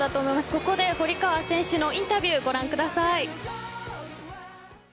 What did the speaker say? ここで堀川選手のインタビューをご覧ください。